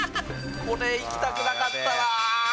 これいきたくなかったな！